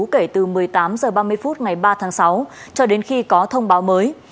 kể từ một mươi tám h ba mươi phút ngày ba tháng sáu cho đến khi có thông báo mới